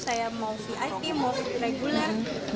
saya mau vip mau reguler